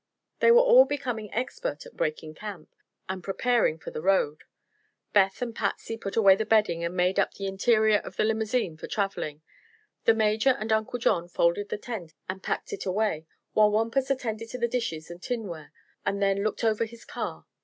They were all becoming expert at "breaking camp," and preparing for the road. Beth and Patsy put away the bedding and "made up" the interior of the limousine for traveling. The Major and Uncle John folded the tent and packed it away, while Wampus attended to the dishes and tinware and then looked over his car.